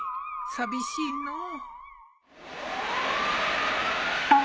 寂しいのう。